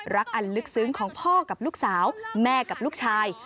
อันลึกซึ้งของพ่อกับลูกสาวแม่กับลูกชาย